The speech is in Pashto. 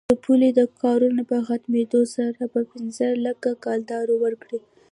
د پولې د کارونو په ختمېدلو سره به پنځه لکه کلدارې ورکړي.